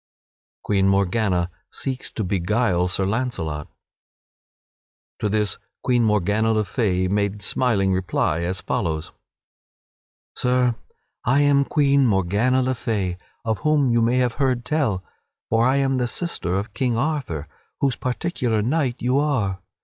[Sidenote: Queen Morgana seeks to beguile Sir Launcelot] To this Queen Morgana le Fay made smiling reply as follows: "Sir, I am Queen Morgana le Fay, of whom you may have heard tell, for I am the sister of King Arthur, whose particular knight you are.